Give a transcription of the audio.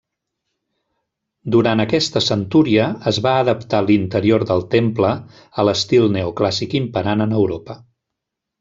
Durant aquesta centúria es va adaptar l'interior del temple a l'estil neoclàssic imperant en Europa.